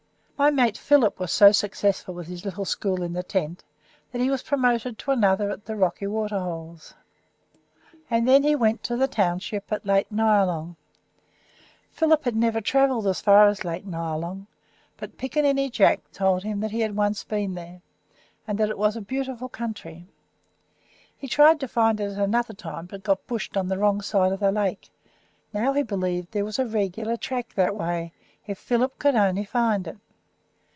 My mate, Philip, was so successful with his little school in the tent that he was promoted to another at the Rocky Waterholes, and then he went to the township at Lake Nyalong. Philip had never travelled as far as Lake Nyalong, but Picaninny Jack told him that he had once been there, and that it was a beautiful country. He tried to find it at another time, but got bushed on the wrong side of the lake; now he believed there was a regular track that way if Philip could only find it.